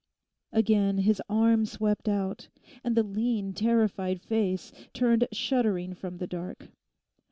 Again his arm swept out, and the lean terrified face turned shuddering from the dark.